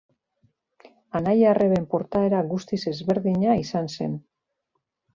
Anai-arreben portaera guztiz ezberdina izan zen.